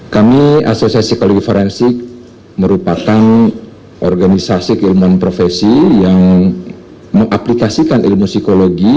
kami asosiasi psikologi forensik merupakan organisasi keilmuan profesi yang mengaplikasikan ilmu psikologi